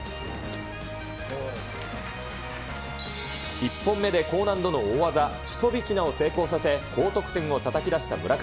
１本目で高難度の大技、チュソビチナを成功させ、高得点をたたき出した村上。